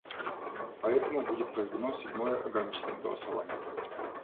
Поэтому будет проведено седьмое ограниченное голосование.